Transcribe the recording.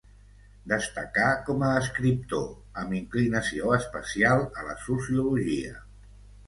Destacà com a escriptor, amb inclinació especial a la Sociologia.